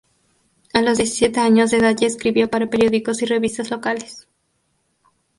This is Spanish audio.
A los diecisiete años de edad ya escribía para periódicos y revistas locales.